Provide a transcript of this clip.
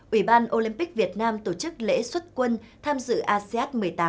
ủy ban olympic việt nam tổ chức lễ xuất quân tham dự asean một mươi tám